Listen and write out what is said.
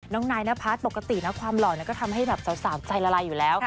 นายนพัฒน์ปกตินะความหล่อก็ทำให้แบบสาวใจละลายอยู่แล้ว